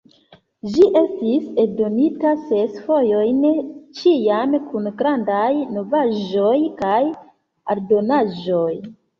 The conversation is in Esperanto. Ĝi estis eldonita ses fojojn, ĉiam kun grandaj novaĵoj kaj aldonaĵoj.